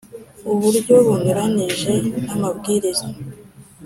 uburyo bunyuranije n amabwiriza